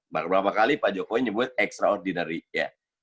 beberapa kali pak jokowi nyebut extraordinary